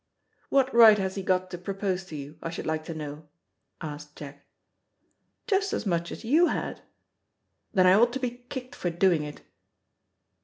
"What right has he got to propose to you, I should like to know?" asked Jack. "Just as much as you had." "Then I ought to be kicked for doing it."